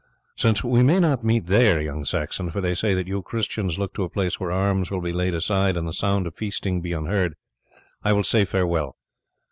Since we may not meet there, young Saxon for they say that you Christians look to a place where arms will be laid aside and the sound of feasting be unheard I will say farewell.